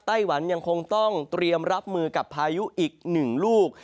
ไต้หวันยังคงต้องเตรียมรับมือกับพายุอีกหนึ่งลูก